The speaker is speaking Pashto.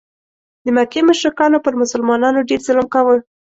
د مکې مشرکانو پر مسلمانانو ډېر ظلم کاوه.